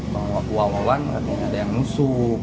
bawa uang uang katanya ada yang musuh